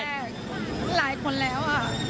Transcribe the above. ไม่ใช่คนแรกหลายคนแล้วอ่ะ